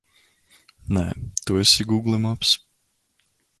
Nē, tu esi Gūgle maps!